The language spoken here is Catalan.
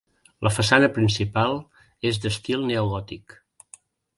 La façana principal és d'estil neogòtic.